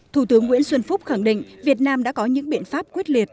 thủ tướng nguyễn xuân phúc khẳng định việt nam đã có những biện pháp quyết liệt